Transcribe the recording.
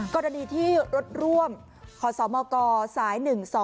กรณีที่รถร่วมขอสอบมาลกอร์สาย๑๒๗